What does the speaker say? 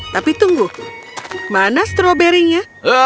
tapi tunggu mana stroberinya